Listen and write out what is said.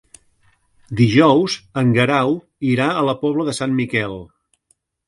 Dijous en Guerau irà a la Pobla de Sant Miquel.